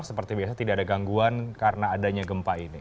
seperti biasa tidak ada gangguan karena adanya gempa ini